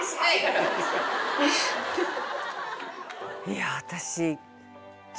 いや私。